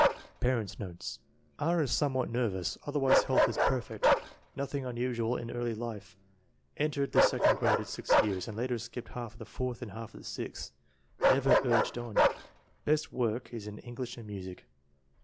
Parents 9 nates. R. is somewhat nervous; otherwise health is perfect. Nothing unusual in early life. En tered the second grade at 6 years, and later skipped half of the fourth and half of the sixth. Never urged on. Best work is in English and music.